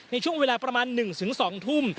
ในช่วงเวลาประมาณ๑๒ทุ่ม